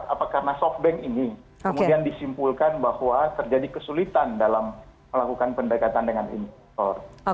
apa karena softbank ini kemudian disimpulkan bahwa terjadi kesulitan dalam melakukan pendekatan dengan investor